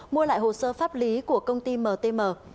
mua lại hồ sơ pháp lý của công ty mtm